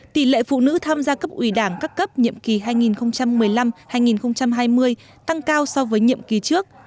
tỷ lệ phụ nữ tham gia cấp ủy đảng các cấp nhiệm kỳ hai nghìn một mươi năm hai nghìn hai mươi tăng cao so với nhiệm kỳ trước